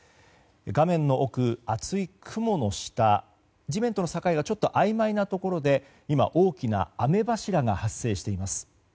画面の奥、厚い雲の下地面との境があいまいなところで今、大きな雨柱が発生しています。